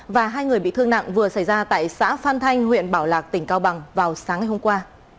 và hai người bị thương nặng vừa xảy ra tại xã phan thanh huyện bảo lạc tỉnh cao bằng vào sáng ngày hôm qua